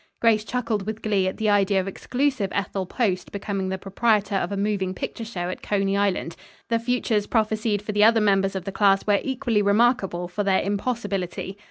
Grace chuckled with glee at the idea of exclusive Ethel Post becoming the proprietor of a moving picture show at Coney Island. The futures prophesied for the other members of the class were equally remarkable for their impossibility.